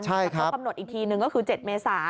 แต่เขากำหนดอีกทีนึงก็คือ๗เมษา